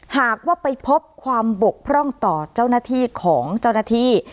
หากว่าไปพบความบกพร่องต่อเจ้าหน้าที่ของเจ้าหน้าที่